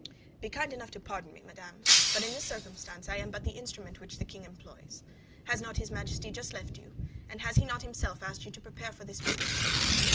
"Be kind enough to pardon me, madame; but in this circumstance I am but the instrument which the king employs. Has not his Majesty just left you, and has he not himself asked you to prepare for this visit?"